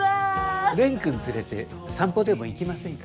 蓮くん連れて散歩でも行きませんか？